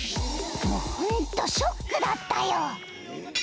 「もうホントショックだったよ」